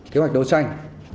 kế hoạch đấu tranh